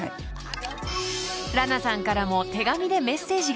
［ＬＡＮＡさんからも手紙でメッセージが］